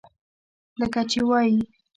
لکه چې وائي: